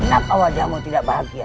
kenapa wajahmu tidak bahagia